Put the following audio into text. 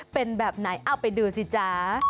เป็นแบบไหนเอาไปดูสิจ๊ะ